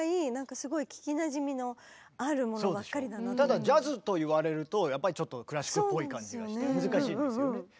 ただジャズと言われるとやっぱりちょっとクラシックっぽい感じがして難しいんですよね。